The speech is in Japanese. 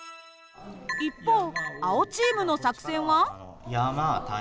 一方青チームの作戦は？